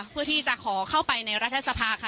เพื่อที่จะขอเข้าไปในรัฐสภาค่ะ